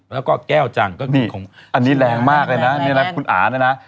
แล้วก็แก้วจังก็คืออันนี้แรงมากเลยนะนี่นะคุณอาเนี่ยนะ